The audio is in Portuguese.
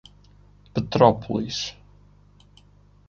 Petrópolis